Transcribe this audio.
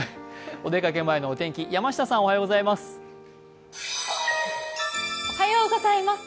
お出かけ前のお天気、山下さん、おはようございます。